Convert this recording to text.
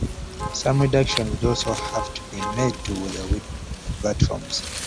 Some reductions would also have to be made to the width of the platforms.